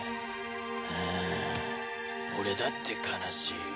俺だって悲しい。